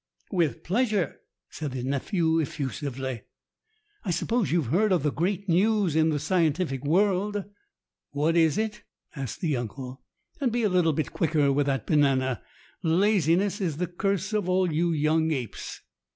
"With pleasure," said the nephew effusively. "I suppose you've heard of the great news in the scientific world?" "What is it?" asked the uncle. "And be a little bit quicker with that banana. Laziness is the curse of all you young apes."